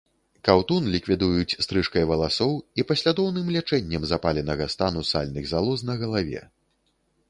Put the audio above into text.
Каўтун ліквідуюць стрыжкай валасоў і паслядоўным лячэннем запаленага стану сальных залоз на галаве.